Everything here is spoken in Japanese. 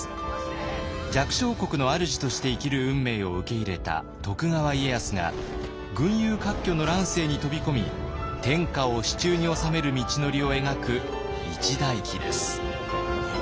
弱小国のあるじとして生きる運命を受け入れた徳川家康が群雄割拠の乱世に飛び込み天下を手中に収める道のりを描く一代記です。